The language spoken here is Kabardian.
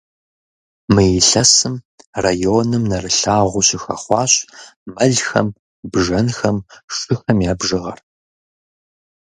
Мы илъэсым районым нэрылъагъуу щыхэхъуащ мэлхэм, бжэнхэм, шыхэм я бжыгъэр.